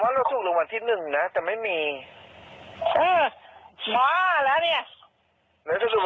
ก็เราเป็นคนซื้อมาใช่ไหมใช่จำได้เป็นสิบสองหกบริโภคภาพมันใช่ป่ะ